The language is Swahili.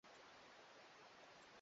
unaathiri wanyama wachache kwenye kundi